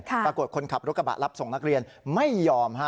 ปรากฏคนขับรถกระบะรับส่งนักเรียนไม่ยอม